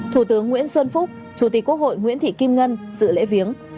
thủ tướng nguyễn xuân phúc chủ tịch quốc hội nguyễn thị kim ngân dự lễ viếng